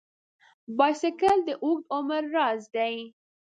بایسکل د اوږده عمر راز دی.